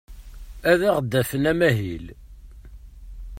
Ad aɣ-d-afen amahil.